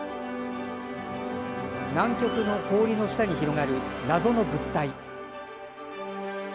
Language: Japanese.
南極の氷の下に広がる謎の物体。